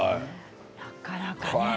なかなかね。